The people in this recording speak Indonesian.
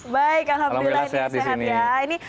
baik alhamdulillah ini sehat ya